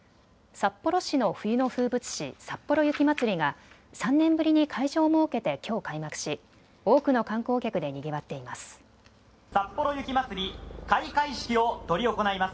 札幌市の冬の風物詩、さっぽろ雪まつりが３年ぶりに会場を設けて、きょう開幕し多くの観光客でにぎわっています。